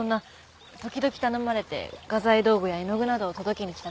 時々頼まれて画材道具や絵の具などを届けに来た程度です。